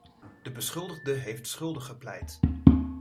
De beschuldigde heeft schuldig gepleit.